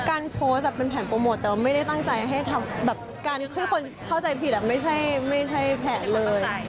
การโพสต์เป็นแผนโปรโมทแต่ว่าไม่ได้ตั้งใจให้ทำแบบการที่คนเข้าใจผิดไม่ใช่แผนเลย